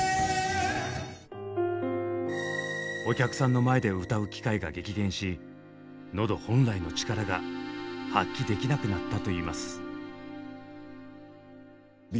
お客さんの前で歌う機会が激減し喉本来の力が発揮できなくなったといいます。